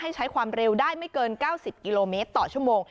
ใช้ความเร็วได้ไม่เกิน๙๐กิโลเมตรต่อชั่วโมง